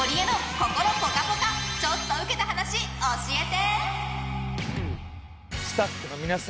心ぽかぽかちょっとウケた話教えて！